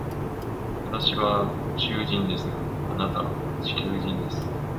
私は宇宙人ですが、あなたは地球人です。